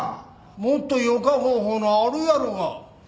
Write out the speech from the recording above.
もっとよか方法のあるやろが。